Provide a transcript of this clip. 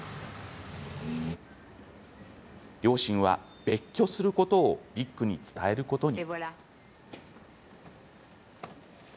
両親は別居することをビックに伝えることに。